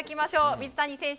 水谷選手